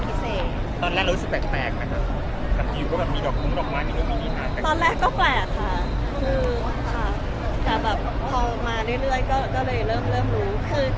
ตอนแรกเรารู้สึกแปลกนะครับตอนแรกก็แปลกค่ะแต่แบบพอมาเรื่อยก็เลยเริ่มรู้